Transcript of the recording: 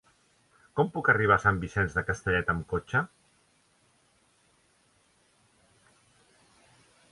Com puc arribar a Sant Vicenç de Castellet amb cotxe?